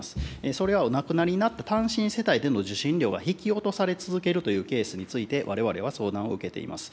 それは、お亡くなりになった単身世帯での受信料が引き落とされ続けるというケースについて、われわれは相談を受けております。